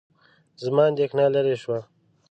زما اندېښنه لیرې شوه.